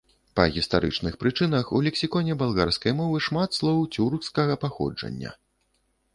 Па гістарычных прычынах у лексіконе балгарскай мовы шмат слоў цюркскага паходжання.